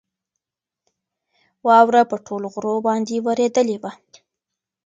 واوره په ټولو غرو باندې ورېدلې وه.